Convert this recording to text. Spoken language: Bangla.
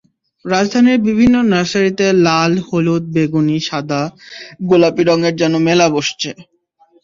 রাজধানীর বিভিন্ন নার্সারিতে লাল, হলুদ, বেগুনি, সাদা, গোলাপি রঙের যেন মেলা বসছে।